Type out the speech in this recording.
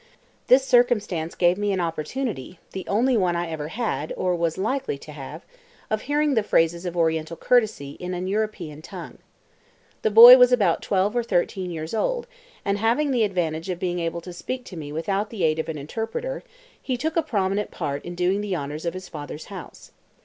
This circumstance gave me an opportunity (the only one I ever had, or was likely to have ) of hearing the phrases of Oriental courtesy in an European tongue. The boy was about twelve or thirteen years old, and having the advantage of being able to speak to me without the aid of an interpreter, he took a prominent part in doing the honours of his father's house.